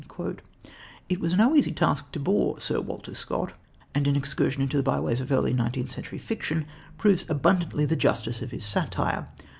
It was no easy task to bore Sir Walter Scott, and an excursion into the byeways of early nineteenth century fiction proves abundantly the justice of his satire.